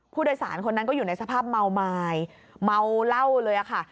ผู้โดยสารคนนั้นก็อยู่ในสภาพเมาไม้เมาเหล้าเลยค่ะ